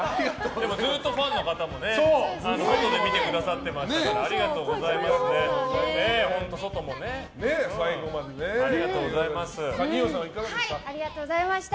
ずっとファンの方もね外で見てくださっていてありがとうございました。